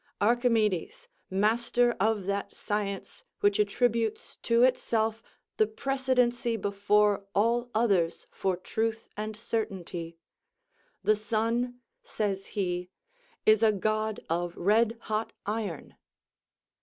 Archimedes, master of that science which attributes to itself the precedency before all others for truth and certainty; "the sun," says he, "is a god of red hot iron."